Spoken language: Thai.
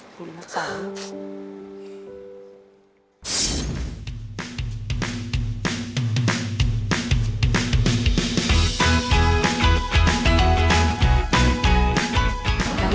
ขอบคุณละครับ